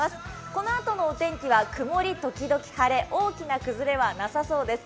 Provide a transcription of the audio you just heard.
このあとのお天気は曇り時々晴れ、大きな崩れはなさそうです。